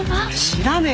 知らねえよ。